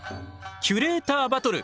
「キュレーターバトル！！」